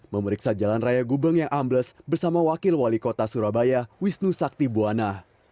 memeriksa jalan raya gubeng yang ambles bersama wakil wali kota surabaya wisnu sakti buwana